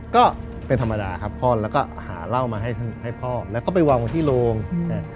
ก็เป็นธรรมดาครับพ่อแล้วก็หาเหล้ามาให้ให้พ่อแล้วก็ไปวางไว้ที่โรงอืม